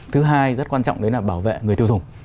thứ hai rất quan trọng đấy là bảo vệ người tiêu dùng